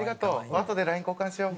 あとでＬＩＮＥ交換しよう。